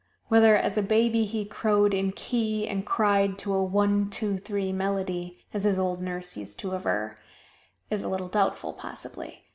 Whether as a baby he crowed in key, and cried to a one two three melody, as his old nurse used to aver, is a little doubtful, possibly.